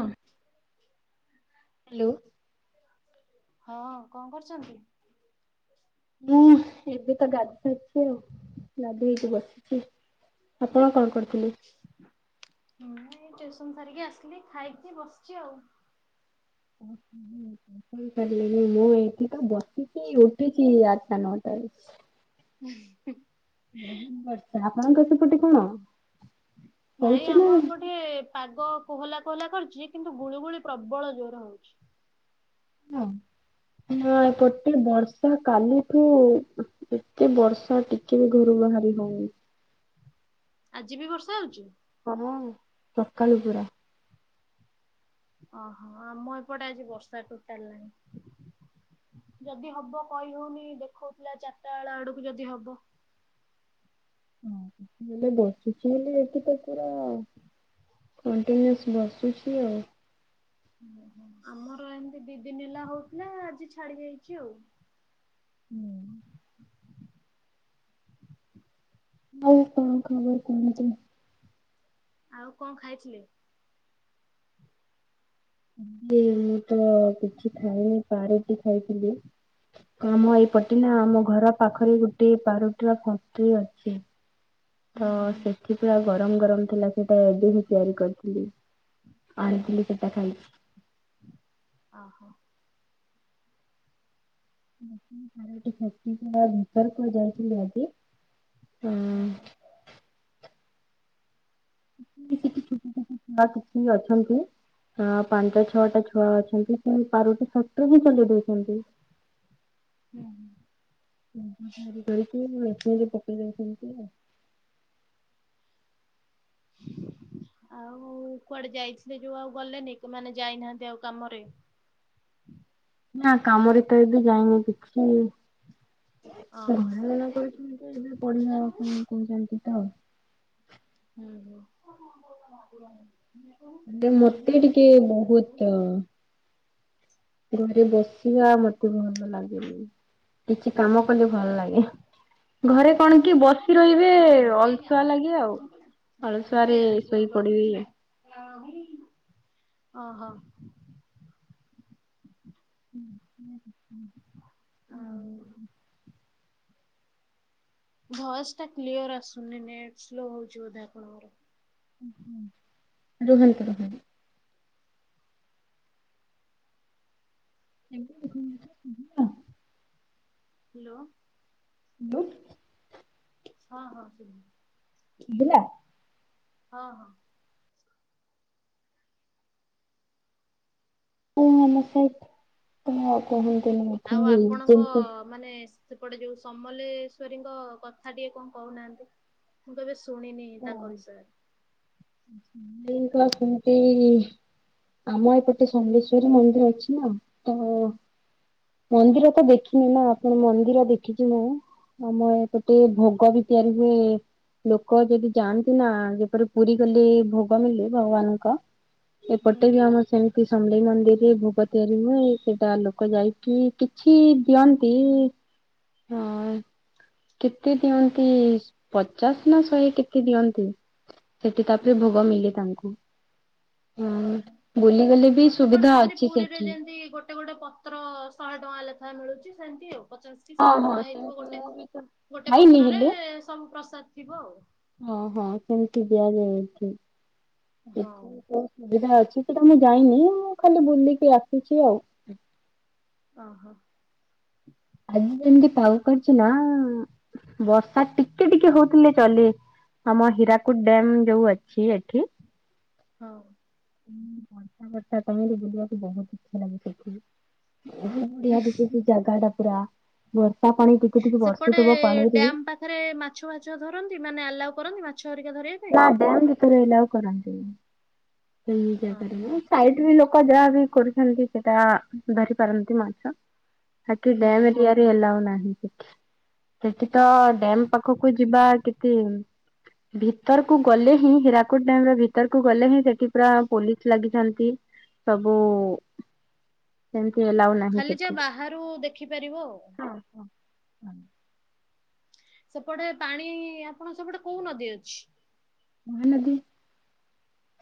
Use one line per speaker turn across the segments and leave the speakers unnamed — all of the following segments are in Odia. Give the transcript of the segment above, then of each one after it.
ଅଁ
ହାଲୋ?
ହଁ କଣ କରୁଚନ୍ତି?
ମୁଁ ଏବେ ତ ଗାଧୋଉଛି ଆଉ ଗାଧେଇକି ବସିଚି।
ହଁ ଏଇ ଜସ୍ କାମ ସାରିକି ଆସିଲି ଖାଇକି ବସଚି ଆଉ।
ଉଁହୁଁ ମୁଁ କହିଲି ଇଲୋ ଏଇଠି ତ ବସିଚି। ଉଠୁଚି ଏଇ ଆଟଟା ନଅଟାରେ ବୋହୁତ ବର୍ଷା ଆପଣଙ୍କର ସେପଟେ କଣ?
ନାଇଁ
ହଉଛି ନା
ଆମ
କଣ?
ଏପଟେ ପାଗ କୋହଲା କୋହଲା କରିଚି କିନ୍ତୁ ଗୁଳୁଗୁଳି ପ୍ରବଳ ଜୋରେ ହୋଉଚି।
ଓ ନା ଏପଟେ ବର୍ଷା କାଲିଠୁ ଉହ୍ ଏତେ ବର୍ଷା ଟିକେ ବି ଘରୁ ବାହାରି ହୋଉନି।
ଆଜି ବି ବର୍ଷା ହୋଉଚି?
ହଁ ସକାଳୁ ପୂରା।
ଅହ ଆମ ଏପଟେ ଆଜି ବର୍ଷା ଟୋଟାଲ ନାହିଁ। ଯଦି ହବ କହି ହୋଉନି ଦେଖୋଉଥୁଲା ଚାରଟା ବେଳ ଆଡକୁ ଯଦି ହବ।
[inaudible] ଅହ ହେଲେ ବର୍ଷୁଛି ବୋଲି ଏଠି ତ ପୁରା କଣ୍ଟିନିୟସ୍ ବର୍ସୁଛି ଆଉ।
ଆମର ଏମତି ଦି ଦିନି ହେଲା ହଉଥିଲା, ଆଜି ଛାଡି ଯାଇଛି ଆଉ।
ହୁଁ। ଆଉ କଣ ଖବର କୁହନ୍ତୁ?
ଆଉ କଣ ଖାଇଥିଲେ?
ଏଇ ମୁଁ ତ କିଛି ଖାଇନି, ପାଆଁରୁଟି ଖାଇଥିଲି। ଆମ ଏଇପଟେ
ହଁ
ନା, ଆମ ଘର ପାଖରେ ଗୋଟେ ପାଆଁରୁଟିର ଫ୍ୟାକ୍ଟ୍ରି ଅଛି।
ହୁଁ
ତ
ହୁଁ
ସେଠି ପୁରା ଗରମ ଗରମ ଥିଲା, ସେଇଟା ଏବେ ହିଁ ତିଆରି କରିଥିଲେ। ଆଣିଥିଲି ସେଟା ଖାଇଚି।
ଅ ହୋ।
[unintelligible] ଶକ୍ତିଙ୍କର ବିତର୍କ ଯାଇଥିଲେ ଆଜି
ହଁ।
ଛୁଆ [unintelligible] ଛୁଆ କିଛି ବି ଅଛନ୍ତି ହଁ ପାଞ୍ଚଟା ଛଅଟା ଛୁଆ ଅଛନ୍ତି, ସେଇ ପାଉରୁଟି ଫ୍ୟାକ୍ଟ୍ରି ବି ଖୋଲି ଦେଇଛନ୍ତି। [inaudible]
ହୁଁ।
[unintelligible] ବାହାରି କରିକି ମେସିନ୍ ରେ ପକେଇ ଦଉଛନ୍ତି ଆଉ। [inaudible]
ଆଉ କୁଆଡେ ଯାଇଥିଲେ ଯୋଉ ଆଉ ଗଲେନି? ମାନେ ଯାଇନାହାଁନ୍ତି ଆଉ କାମରେ।
ନା କାମରେ ତ ଏବେ ଯାଇନି କିଛି ଜନ
ଓହୋ।
ଗଣନା କରୁଛନ୍ତି, ଏବେ
ହୁଁ
ପଢିବା ପାଇଁ କହୁଛନ୍ତି ତ?
ଓହୋ। ଆଉ
ଏବେ ମୋତେ ଟିକେ ବହୁତ ଘରେ ବସିିବା ମତେ ଭଲ ଲାଗେନି ବି। କିଛି କାମ କଲେ ଭଲ ଲାଗେ। ଘରେ କଣ କି ବସି ରହିବେ ଅଳସୁଆ ଲାଗେ ଆଉ। ଅଳସୁଆରେ ଶୋଇ
ତ
ପଡିବି
କିଛି ନାହିଁ, ଏୟା ହୁଁ। ଓହୋ।
ହୁଁ ହ ହଁ।
ଭଏସ ଟା କ୍ଲିୟର ଆସୁନି, ନେଟ ସ୍ଲୋ ହଉଛି ବୋଧେ ଆପଣଙ୍କର?
ହୁଁ ହୁଁ ରୁହନ୍ତୁ ରୁହନ୍ତୁ। [unintelligible]
ହ୍ୟାଲୋ।
ହାଲୋ।
ହଁ ହଁ ସେଇ।
ଶୁଭିଲା
ହଁ ହଁ। ଆଉ ଆପଣଙ୍କ ମାନେ
[unintelligible]
ସେପଟେ ଯୋଉ ସମଲେଶ୍ଵରୀଙ୍କ କଥା ଟିକେ କଣ କହୁନାହାଁନ୍ତି? ମୁଁ କେବେ ଶୁ ଶୁଣିନି ତାଙ୍କ ବିଷୟରେ।
ନା ସେମତି ଆମ ଏପଟେ ସମଲେଶ୍ଵରୀ ମନ୍ଦିର ଅଛି ନା, ତ ମନ୍ଦିର ତ ଦେଖିନି ନା, ଆପଣ ମନ୍ଦିର ଦେଖିଛି ମୁଁ ଆମ ଏପଟେ ଭୋଗ ବି ତିଆରି ହୁଏ, ଲୋକ ଲୋକ ଯଦି ଯାଆନ୍ତି ନା, ଯେପରି ପୁରୀ ଗଲେ ଭୋଗ ମିିଲେ ଭଗବାନଙ୍କ
ହୁଁ
ଏପଟେ ବି ଆମର ସେମତି ସମଲେଇ ମନ୍ଦିରରେ ଭୋଗ ତିଆରି ହୁଏ। ସେଇଟା ଲୋକ ଯାଇକି କିଛି ଦିଅନ୍ତି ହଁ। କେତେ ଦିଅନ୍ତି? ପଚାଶ ନା ଶହେ କେତେ ଦିଅନ୍ତି? ସେଠି ତାପରେ ଭୋଗ ମିଲେ ତାଙ୍କୁ। ହଁ
ଓହୋ।
ବୁଲିଗଲେ ବି
ହଁ, ସେପଟେ
ସୁବିଧା
ସେମତି
ଅଛି
ପୁରୀରେ
ସେଠି।
ଯେନ୍ତି, ଗୋଟେ ଗୋଟେ ପତ୍ର ଶହେ ଟଙ୍କା ଲେଖା ଖାଏଁ ମିଳୁଚି ସେନ୍ତି ଆଉ। ପଚାଶ କି
ହଁ
ଶହେ
ହଁ
ଟଙ୍କା ହେଇଥିବ,
ସେମିତି
ଗୋଟେ
ମୁଁ ବି ତ
ଗୋଟେ
ଖାଇନି
ପତ୍ରରେ
ହେଲେ
ସବୁ ପ୍ରସାଦ ଥିବ ଆଉ।
ହଁ ହଁ ସେମିତି ଦିଆଯାଏ ଏଠି।
ହଁ।
ଏଠି ବି ସେମିତି ସୁବିଧା ଅଛି। ଏଠି ତ ମୁଁ ଯାଇନି ମୁଁ ଖାଲି ବୁଲିକି ଆସିଛି ଆଉ।
ଓ ହୋ।
ଆଜି ଯେମିତି ପାଗ କରଛି ନା! ବର୍ଷା ଟିକେ ଟିକେ ହଉଥିଲେ ଚଲେ ଆମ ହୀରାକୁଦ ଡ୍ୟାମ ଯୋଉ ଅଛି ଏଠି।
ହଉ।
ବର୍ଷା ବର୍ଷା [unintelligible] ବୁଲିବାକୁ ବହୁତ ଇଚ୍ଛା ଲାଗେ ସେଠି। [unintelligible] କିଛି ଜାଗାଟା ପୁରା ବ
ସେପଟେ ଡ୍ୟାମ ପାଖରେ ମାଛ ଫାଛ ଧରନ୍ତି। ମାନେ ଆଲାଉ କରନ୍ତି? ହରିକା ଧରିବା ପାଇଁ?
ନା ଡ୍ୟାମ ଭିତରେ ଆଲାଉ କରନ୍ତିନି। ସେଇ
ଓହୋ
ଜାଗାରେ ସାଇଟ ରେ ଲୋ ଲୋକ ଯାହା ବି କରୁଛନ୍ତି ସେଟା ଧରି ପାରନ୍ତି ମାଛ। ସେଠି
ହଁ
ଡ୍ୟାମ ଏରିଆରେ ଏଲାଉ ନାହିଁ। ସେଠି ତ ଡ୍ୟାମ ପାଖକୁ ଯିବା କେତେ ଭିତରକୁ ଗଲେ ହିଁ ହୀରାକୁଦ ଡ୍ୟାମ ର ଭିତରକୁ ଗଲେ ହିଁ ସେଠି ପୁରା ପୋଲିସ ଲାଗିଛନ୍ତି ସବୁ ସେ ଏଲାଉ ନାହିଁ
ଖାଲି ଯା
ସେଠି।
ବାହାରୁ ଦେଖିପାରିବ ଆଉ। ସେପଟେ ପାଣି ଆପଣଙ୍କ ସେପଟେ କୋଉ ନଦୀ ଅଛି?
ମହାନଦୀ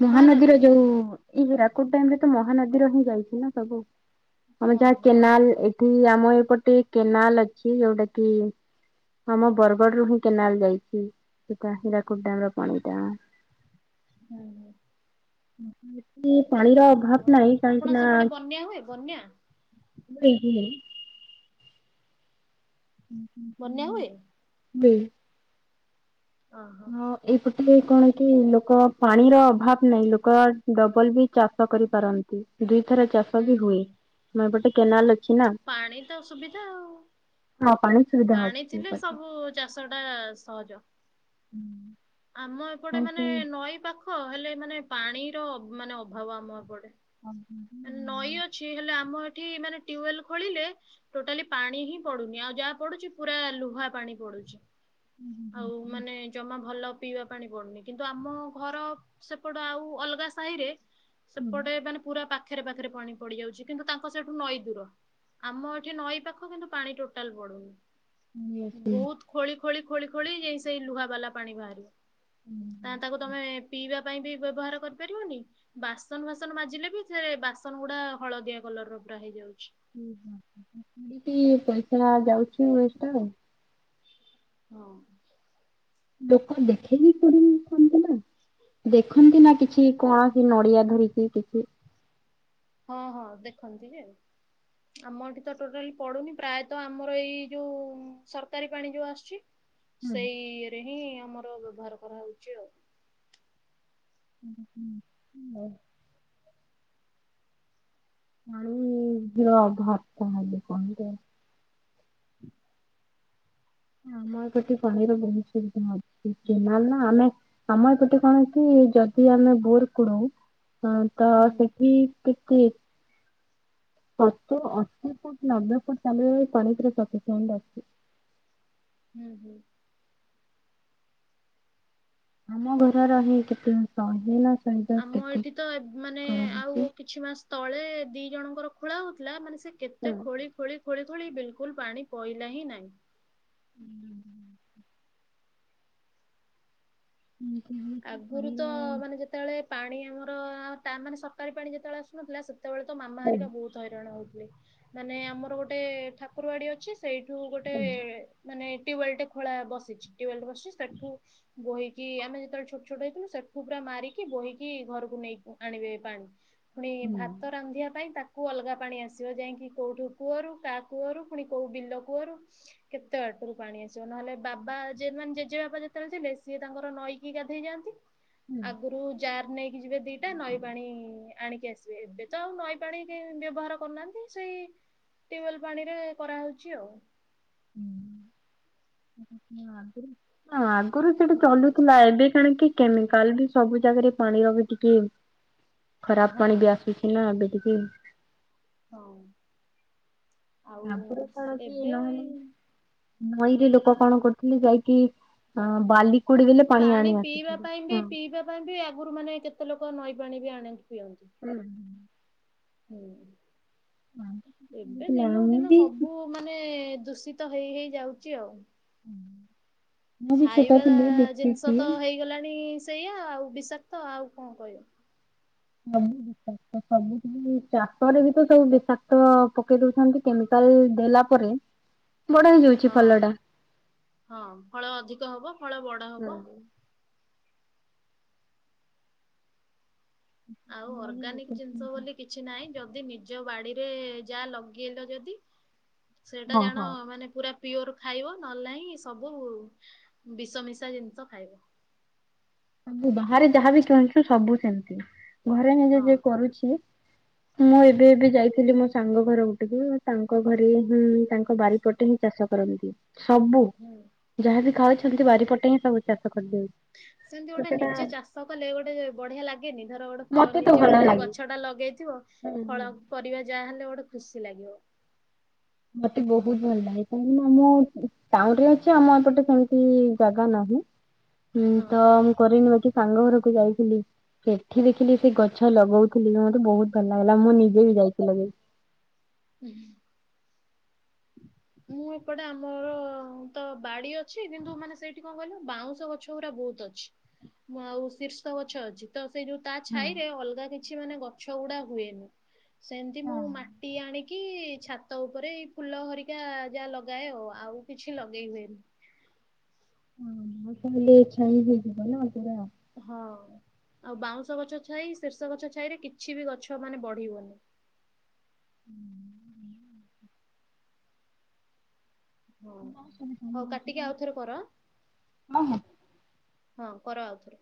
ମହାନଦୀର
ମହାନଦୀ?
ଯୋଉ ଏଇ ହୀରାକୁଦ ଡ୍ୟାମ ରେ ତ ମହାନଦୀର ହିଁ ଯାଇଛି ନା ସବୁ। ଆମେ
ହଁ
ଯାହା
ହଁ
କେନାଲ ଏଠି ଆମ ଏପଟେ କେନାଲ ଅଛି ଯୋଉଟା କି ଆମ ବରଗଡରୁୁ ହିଁ କେନାଲ ଯାଇଛି। ସେଟା ହୀରାକୁଦ ଡ୍ୟାମର ପାଣିଟା। [unintelligible] ପାଣିର ଅଭାବ
ଯଉ
ନାହିଁ କାହିଁକି
ଆପଣ
ନା
ସେପଟେ ବନ୍ୟା ହୁଏ ବନ୍ୟା?
[unintelligible]
ବନ୍ୟା ହୁଏ?
[unintelligible]
ଓହୋ।
ହଁ ଏଇପଟେ କଣ କି ଲୋକ ପାଣିର ଅଭାବ ନାହିଁ। ଲୋକ ଡବଲ ବି ଚାଷ କରିପାରନ୍ତି। ଦୁଇଥର ଚାଷ
ହୁଁ
ବି
ହୁଁ
ହୁଏ। ଆମ ଏପଟେ କେନାଲ ଅ
ପାଣି ତ ସୁବିଧା ଆଉ।
ହଁ ପାଣି ସୁବିଧା
ପାଣି
ଅଛି
ଥିଲେ
ଏପଟେ।
ସବୁ ଚାଷ ଟା ସହଜ।
[inaudible]
ଆମ ଏପଟେ ମାନେ
ଏମିତି
ନଈ ପାଖ ହେଲେ ମାନେ ପାଣିର ମାନେ ଅଭାବ ଆମ ଏପଟେ। ନଈ ଅଛି ହେଲେ ଆମ ଏ ଏଠି ମାନେ ଟ୍ୟୁବଲ ଖୋଳିଲେ ଟୋଟାଲି ପାଣି ହିଁ ପଡୁନି। ଆଉ ଯାହା ପଡୁଛି ପୁରା ଲୁହା ପାଣି ପଡୁଛି। ଆଉ ମାନେ ଜମା ଭଲ ପିଇବା ପାଣି ପଡୁନି। କିନ୍ତୁ ଆମ ଘର ସେପଟ ଆଉ ଅଲଗା ସାହି ରେ ସେପଟେ ମାନେ ପୁରା ପାଖରେ ପାଖରେ ପାଣି ପଡି ଯାଉଛି। କିନ୍ତୁ ତାଙ୍କ ସେଇଠୁ ନଈ ଦୂର। ଆମ ଏଠି ନଈ ପାଖ କିନ୍ତୁ ପାଣି ଟୋଟାଲ ପଡୁନି। ବହୁତ ଖୋଳି ଖୋଳି ଖୋଳି ଖୋଳି ଯାଇ ସେଇ ଲୁହାବାଲା ପାଣି ବାହାରିବ। ନା ତାକୁ ତମେ ପିଇବା ବି ବ୍ୟବହାର କରିପାରିବନି ବାସନ ଫାସନ ମାଜିଲେ ବି ସେ ବାସନ ଗୁଡା ହଳଦିଆ କଲର ପୁରା ହେଇଯାଉଛି।
[unintelligible] ପଇସା ଯାଉଛି ୱେଷ୍ଟ ଆଉ।
ହଁ।
ଲୋକ ଦେଖେଇ ବିି [unintelligible] ନା। ଦେଖନ୍ତି ନା କିଛି କୌଣସି ନଡିଆ ଧରକି କିଛି।
ହଁ ହଁ ଦେଖନ୍ତି ଯେ ଆମ ଏଠି ତ ଟୋଟାଲି ପଡୁନି ପ୍ରାୟତଃ ଆମର ଏଇ ଯୋଉ ସରକାରୀ ପାଣି ଯୋଉ ଆସୁଚି ସେଇଇଏରେ ହିଁ ଆମର ବ୍ୟବହାର କରାହଉଚି ଆଉ।
ହୁଁ। ଅ ଭାତତା ହେଲେ କଟ [inaudible] ଆମ ଏପଟେ ପାଣିର ବହୁତ ସୁବିଧା ଅଛି ନା ନା ଆମେ ଆମ ଏପଟେ କଣ କି। ଯଦି ଆମେ ବୋର କଡୁ ତ
ହୁଁ
ସେଠି କେ କିଏ ହତ ଅସି ଫୁଟ ନବେ ଫୁଟ୍ ତାତାଡିଲେ ପାଣିପୁରା ସଫିସେଣ୍ଟ ଆସୁଚି।
ହୁଁ ହୁଁ।
ଆମ ଘର ରହି କେତେ ଜିନଷ ହେ
ଆମ ଏଇଠି ତଏବ ମାନେ ଆଉ କିଛି ମାସ ତଳେ ଦି ଜଣଙ୍କର ଖୋଳା ହଉଥିଲା ମାନେ ସେ କେତେ ଖୋଳି ଖୋଳି ଖୋଳି ଖୋଳି ବିଲକୁଲ ପାଣି ପଇଲା ହିଁ ନାଇଁ। ଆଗରୁ
ପାଣିର
ତ ମାନେ ଯେତେବେଳେ ପାଣି ଆମର ତା ମାନେ ସରକାରୀ ପାଣି ଯେତେବେଳେ ଆସୁନଥିଲା ସେ ସେତେବେଳେ ତ
ହୁଁ
ମାମାହାରିକା ବହୁତ ହଇରାଣ ହଉଥିଲେ ମାନେ ଆମର ଗୋଟେ ଠାକୁର ବାଡି ଅଛି, ସେଇଠୁ ଗୋଟେ
ହୁଁ
ମାନେ ଟୀୱେଲ ଟେ ଖୋଳା ବସିଛି ଟି୍ୱେଲ ବସିଛି ସେଠୁ ବୋହିକି ଆମେ ଯେତେବେଳେ ଛୋଟ ଛୋଟ ହେଇଥିଲୁ ସେଠୁ ପୁରା ମାରିକି ବୋହିକି ଘରକୁ ନେଇକି ଆଣିବେ ପାଣି। ପୁଣି ଭାତ ରାନ୍ଧିବା ପାଇଁ ତାକ କୁ ଅଲଗା ପାଣି ଆସିବ ଯାଇକି କୋଉଠୁ କୂଅରୁ କା କୂଅରୁ ପୁଣି କୋଉ ବିଲ କୂଅରୁ କେତେ ବାଟ। ରୁ ପାଣି ଆସିବ ନହେଲେ ବାବା ଜେଜେ ବାବା ଯେତେବେଳେ ଥିଲେ ସିଏ ତାଙ୍କର ନଈକି ଗାଦ ହେଇଯାନ୍ତି
ହୁଁ
ଆଗରୁ ଯାର ନେଇ ଯିବେ ଦିଟା ନଈ ପାଣି ଆଣିକି ଆସିବେ ଏବେ ତ ଆଉ ନଈ ପାଣି ବ୍ୟବହାର କରୁନାହାନ୍ତି ସେଇ ଟ୍ୟୁବଲ ପାଣି ରେ କରାହଉଛି ଆଉ।
ହୁଁ। ଆଗରୁ ସେଠି ଚଲୁଥିଲା ଏବେ କାଣ କି କେମିକାଲ ବି ସବୁ ଜା ରେ ପାଣିର ବି ଟିକେ ଖରାପ
ହଁ
ପାଣି ବି ଆସୁଛି ନା ଏବେ ଟିକେ
ହଁ। ଆଉ
ଆଗୁରୁ କଣ କି
ଏବେ
ନହେଲେ ନଈରେ ଲୋକ କଣ କରୁଥିଲେ ଯାଇକି ହଁ ବାଲିକ କୋଡି ଦେଲେ
ପାଣି
ଆଣି
ପିଇବା
ଆସୁଥିଲେ
ପାଇଁ ବି ପିଇବା ପାଇଁ ବି ଆଗରୁ ମାନେ କେତେ ଲୋକ ନଈ ପାଣି ବି ଆଣେ। ଣନ୍ତି। ହୁଁ। ଏବେ
ଥିଲା,
ଦିନକୁ
ମୁଁ
ଦିନ
ବି
ସବୁ ମାନେ ଦୂଷିତ ହେଇ ହେଇ ଯାଉଛି ଆଉ।
ମୁଁ ବି ଛୋଟ
ଖାଇବା
ଥିଲି
ଜିନ୍ଷ
ଦେଖିଛି
ତ ହେଇଗଲାଣି ସେୟା ଆଉ ବିଷାକ୍ତ ଆଉ କଁ କହିବ।
ସବୁ ବିଷାକ୍ତ ସବୁ ଚାଷରେ ବି ତ ସବୁ ବିଷାକ୍ତ ପକେଇ ଦଉଛନ୍ତି କେମିକାଲ ଏଇ ଦେଲା ପରେ ବଡ ହେଇଯାଉଛି ଫଲ
ହଁ-ହଁ ଫଳ ଅଧିକ ହବ ଫଳ ବଡ ହବ।
ଟା।
ଆଉ ଅର୍ଗାନିକ ଜିନ୍ଷ ବୋଲି କିଛି ନାଇଁ। ଯଦି ନିଜ ବାଡିରେ ଯା ଲଗେଇଲ ଯଦି ସେଟା
ହଁ ହଁ
ଜାଣ ମାନେ ପୁରା ପିଓର ଖାଇବ ନଏଲ୍ ନାଇଁ ସବୁ ବିଷ ମିଶା ଜିନିଷ ଖାଇବ।
ସବୁ ବାହାରେ ଯାହାବି କିଣୁଛୁ ସବୁ ସେମତି। ଘରେ ନିଜେ
ହଁ
ଯିଏ କରୁଛି ମୁଁ ଏବେ-ଏବେ ଯାଇଥିଲି ମୋ ସାଙ୍ଗ ଘର ଗୁଟକୁ ତାଙ୍କ ଘରେ ହିଁ ତାଙ୍କ ବାରିପଟେ ହିଁ ଚାଷ କରନ୍ତି। ସବୁ
ହୁଁ
ଯାହାବି ଖାଉଛନ୍ତି ବାରିପଟେ ହିଁ ସବୁ ଚାଷ କରିଦଉ
ସେମିତି ଗୋଟେ ନିଜେ ଚାଷ କଲେ ଗୋଟେ ବଢିଆ ଲାଗେନି ଧର ଗୋଟେ ଫଳ
ମତେ ତ
ନିଜେ
ଭଲ
ଗୋଟେ କୋଉ
ଲାଗେ
ଗଛଟା ଲଗେଇଥିବ ଫଳ ପରିବା ଯାହାହେଲେ ଗୋଟେ ଖୁସି ଲାଗିବ।
ମତେ ବହୁତ୍ ଭଲ୍ ଲାଗେ କାହିଁକି ନା ମୁଁ ଟାଉନ ରେ ଅଛି ଆମ ଏପଟେ ସେମ୍ତି ଜାଗା ନା ହୁଁ ତ
ହଁ
ମୁଁ କରିନି ଏ ସାଙ୍ଗ ଘରକୁ ଯାଇଥିଲି ସେଠି ଦେଖିଲି ସେ ଗଛ ଲଗଉଥିଲି ମୋତେ ବହୁତ୍ ଭଲ୍ ଲାଗିଲା ମୁଁ ନିଜେ ବି ଯାଇକି ଲଗେଇଲି।
ହୁଁ।
[inaudible]
ମୁଁ ଏପଟେ ଆମର ତ ବାଡି ଅଛି କିନ୍ତୁ ମାନେ ସେଇଠି କଣ କହିଲୁ ବାଉଁଶ ଗଛ ଗୁଡା ବହୁତ ତଛି। ମୁଁ ଆଉ ଶୀର୍ଷ ଗଛ ଅଛି ତ ସେଇ ଯୋଉ ତା ଛାଇରେ ଅଲଗା କିଛି ମାନେ ଗଛ ଗୁଡା ହୁଏନି। ସେମିତି ମୁଁ ମାଟି ଆଣିକି ଛାତ ଉପରେ ଫୁଲ ହରିକା ଯାହା ଲଗାଏ ଆଉ କିଛି ଲଗେଇ ହୁଏନି।
ହଁ ତାହେଲେ ଛାଇଁ ହେଇଯିବ ନା [unintelligible]
ହଁ। ଆଉ ବାଉଁଶ ଗଛ ଛାଇ ଶୀର୍ଷ ଗଛ ଛାଇରେ କିଛି ବି ଗଛ ମାନେ ବଢିବନି।
ହୁଁ।
ହଁ
ସବୁ କାମ
ହଉ
ଦେଇଥିବ
କାଟିକି ଆଉଥରେ କର ଆଁ
ନା। ହଁ। ହଁ।
ହଁ କର ଆଉଥରେ।